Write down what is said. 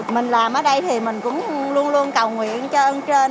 mình làm ở đây thì mình cũng luôn luôn cầu nguyện cho ơn trên